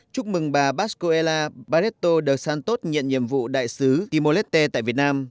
chúc mừng bà bascuela barreto de santos nhận nhiệm vụ đại sứ timor leste tại việt nam